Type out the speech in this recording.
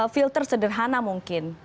filter sederhana mungkin